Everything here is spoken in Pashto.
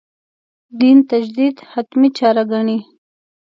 دین تجدید «حتمي» چاره ګڼي.